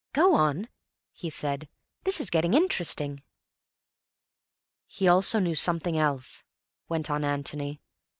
"Go on," he said. "This is getting interesting." "He also knew something else," went on Antony.